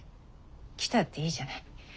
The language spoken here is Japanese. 来たっていいじゃない。